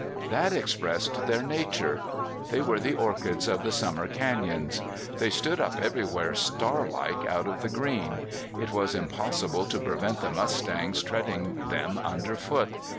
That expressed their nature. They were the orchids of the summer canyons. They stood up everywhere star like out of the green. It was impossible to prevent the mustangs treading them under foot.